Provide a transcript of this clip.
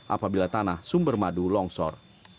apabila tanah sumber madu longsor